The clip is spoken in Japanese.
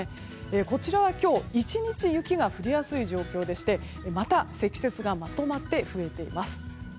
こちらは今日１日、雪が降りやすい状況でしてまた積雪がまとまって増えています。